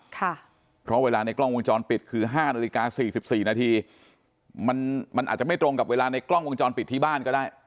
เพราะเวลาในกล้องวงจรปิดคือห้านาฬิกาสี่สิบสี่นาทีมันมันอาจจะไม่ตรงกับเวลาในกล้องวงจรปิดที่บ้านก็ได้